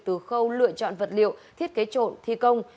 từ khâu lựa chọn vật liệu thiết kế trộn thi công